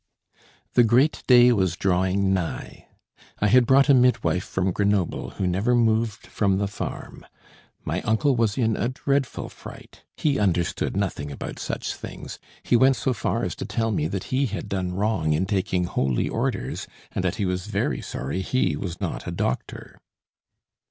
The great day was drawing nigh. I had brought a midwife from Grenoble who never moved from the farm. My uncle was in a dreadful fright; he understood nothing about such things; he went so far as to tell me that he had done wrong in taking holy orders, and that he was very sorry he was not a doctor.